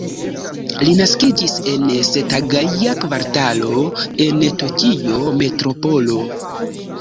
Li naskiĝis en Setagaja-kvartalo en Tokia Metropolo.